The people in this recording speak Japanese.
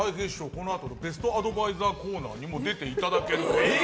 このあとべストアドバイザーのコーナーにも出ていただけるということで。